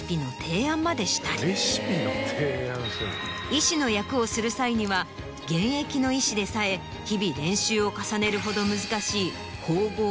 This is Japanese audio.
医師の役をする際には現役の医師でさえ日々練習を重ねるほど難しい。